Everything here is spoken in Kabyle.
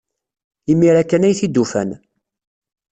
Imir-a kan ay t-id-ufan.